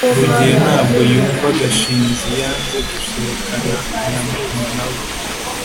rugeyo ntabwo yumva gashinzi yanze gusohokana na murumuna we